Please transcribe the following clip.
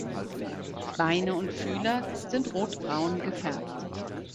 Beine und Fühler sind rotbraun gefärbt.